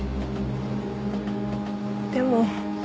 でも。